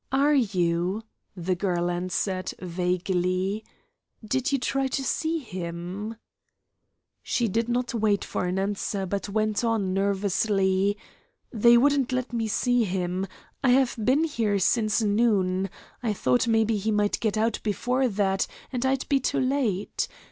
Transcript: "Are you?" the girl answered, vaguely. "Did you try to see him?" She did not wait for an answer, but went on, nervously: "They wouldn't let me see him. I have been here since noon. I thought maybe he might get out before that, and I'd be too late.